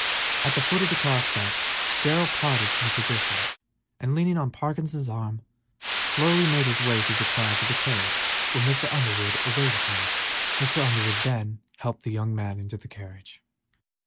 At the foot of the car steps Darrell parted from the physician and, leaning on Parkinson's arm, slowly made his way through the crowd to the carriage, where Mr. Underwood awaited him. Parkinson having taken leave, Mr. Underwood assisted the young man into the carriage.